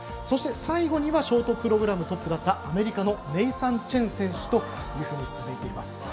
そして最後にショートプログラムトップだったアメリカのネイサン・チェン選手と続きます。